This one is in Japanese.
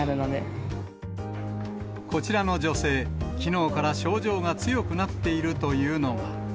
こちらの女性、きのうから症状が強くなっているというのが。